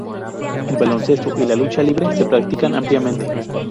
El baloncesto y la lucha libre se practican ampliamente.